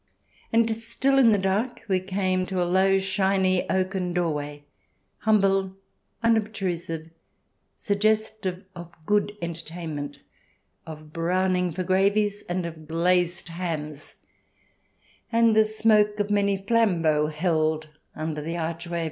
And, still in the dark, we came to a low, shiny, oaken doorway, humble, unob trusive, suggestive of good entertainment, of brown ing for gravies and of glazed hams, and the smoke of many flambeaux held under the archway of its CH.